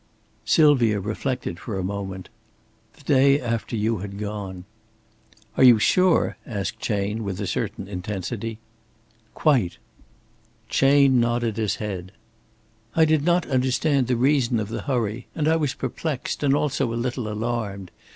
Sylvia reflected for a moment. "The day after you had gone." "Are you sure?" asked Chayne, with a certain intensity. "Quite." Chayne nodded his head. "I did not understand the reason of the hurry. And I was perplexed and also a little alarmed.